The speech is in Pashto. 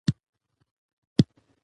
ادارې باید د خلکو غوښتنو ته ځواب ووایي